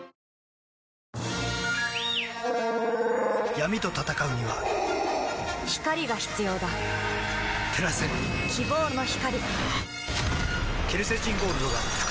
闇と闘うには光が必要だ照らせ希望の光